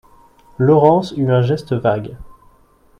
Laurence eut un geste vague.